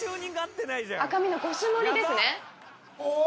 赤身の５種盛りですねお！